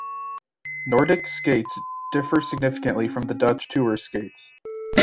Nordic skates differ significantly from the Dutch tour skates.